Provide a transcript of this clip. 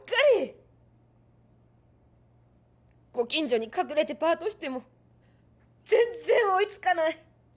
ご近所に隠れてパートしても全然追いつかない。